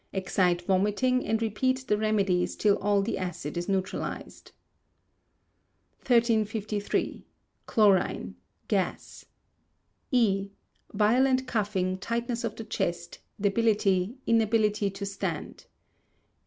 Excite vomiting, and repeat the remedies till all the acid is neutralized. 1353. Chlorine (gas). E. Violent coughing, tightness of the chest, debility, inability to stand.